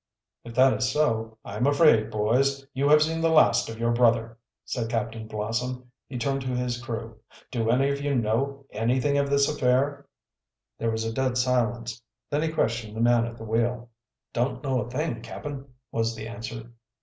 "If that is so, I'm afraid, boys, you have seen the last of your brother," said Captain Blossom. He turned to his crew. "Do any of you know anything of this affair?" There was a dead silence. Then he questioned the man at the wheel. "Don't know a thing, cap'n," was the answer.